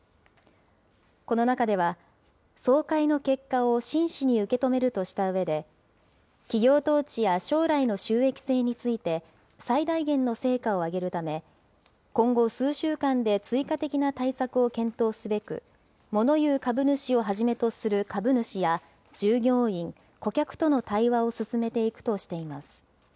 この中では、総会の結果を真摯に受け止めるとしたうえで、企業統治や将来の収益性について、最大限の成果を上げるため、今後数週間で追加的な対策を検討すべく、モノ言う株主をはじめとする株主や従業員、顧客との対話を進めていくとしています。